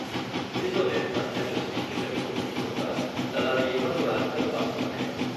L'isoletta è accessibile, con difficoltà, dalla riva durante la bassa marea.